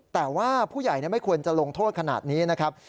แต่ว่าผู้ใหญ่ไม่ควรจะลงโทษขนาดนี้นะครับ